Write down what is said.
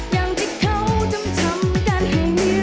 อย่างที่เขาจำทำกันให้ไม่รัก